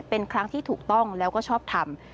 เป็นครั้งที่ถูกต้องแล้วก็ชอบทำ